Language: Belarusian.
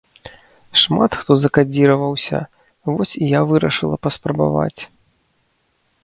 Шмат хто закадзіраваўся, вось і я вырашыла паспрабаваць.